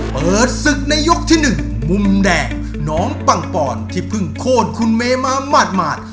เปิดศึกในยกที่๑มุมแดงน้องปังปอนที่เพิ่งโคตรคุณเมมาหมาด